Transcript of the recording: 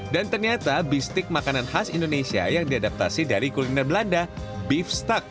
dan ternyata bistik makanan khas indonesia yang diadaptasi dari kuliner belanda beef steak